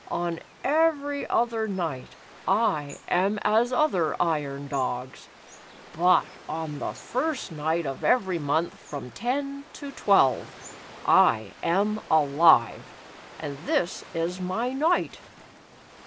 On every other night, I am as other iron dogs, but on the first night of every month from ten to twelve, I am alive, and tJiis is my night."